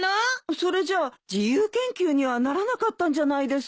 それじゃあ自由研究にはならなかったんじゃないですか。